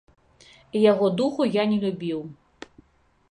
І яго духу я не любіў.